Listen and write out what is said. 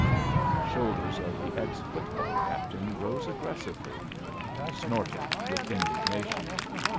The shoulders of the ex football captain rose aggressively; he snorted with indignation.